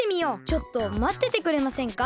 ちょっとまっててくれませんか？